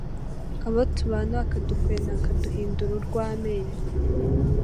abo tubana bakadukwena bakaduhindura urw’amenyo